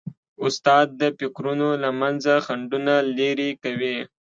استاد د فکرونو له منځه خنډونه لیري کوي.